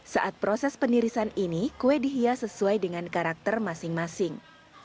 saat proses penirisan ini kue dihias sesuai dengan karakter masing masing